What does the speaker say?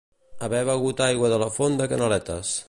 Haver begut aigua de la font de Canaletes.